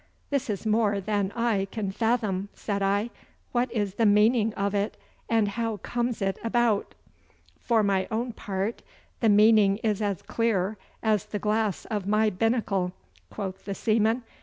'This is more than I can fathom,' said I. 'What is the meaning of it, and how comes it about?' 'For my own part, the meaning is as clear as the glass of my binnacle,' quoth the seaman.